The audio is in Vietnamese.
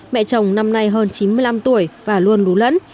mẹ chồng năm nay hơn chín mươi năm tuổi và luôn lú lẫn